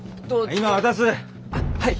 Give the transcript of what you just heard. はい。